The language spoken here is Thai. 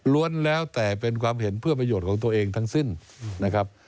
แล้วแต่เป็นความเห็นเพื่อประโยชน์ของตัวเองทั้งสิ้นนะครับ